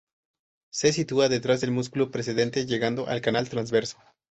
Se sitúa detrás del músculo precedente, llegando al canal transverso.